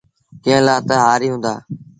ڪݩهݩ لآ تا هآريٚ هُݩدآ۔